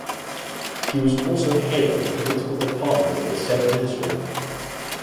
He was also head of the Political Department of the said Ministry.